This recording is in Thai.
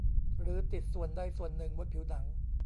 หรือติดส่วนใดส่วนหนึ่งบนผิวหนัง